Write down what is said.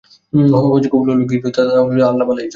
হজ কবুল হলো কি হলো না তা শুধু আল্লাহ তাআলাই জানেন।